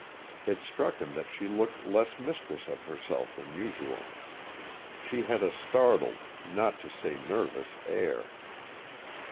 It struck him that she looked less mistress of herself than usual. She had a startled, not to say nervous, air.